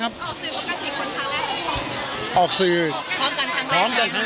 หรือว่าไม่ค่อย